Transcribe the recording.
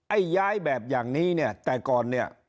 ไอ้ย้ายแบบอย่างนี้เนี่ยแต่ก่อนเนี่ย